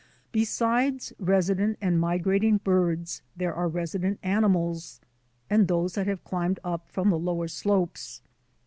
Besides resident and migrating birds there are resident animals, and those that have climbed up from the lower slopes.